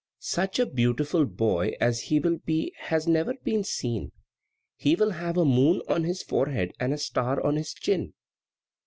Such a beautiful boy as he will be has never been seen. He will have a moon on his forehead and a star on his chin."